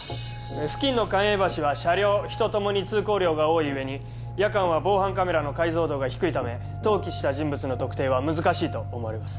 付近の関栄橋は車両人ともに通行量が多い上に夜間は防犯カメラの解像度が低いため投棄した人物の特定は難しいと思われます